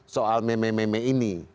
soal meme meme ini